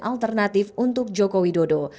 alternatif untuk joko widodo